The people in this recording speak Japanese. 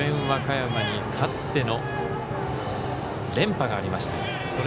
和歌山に勝っての連覇がありました。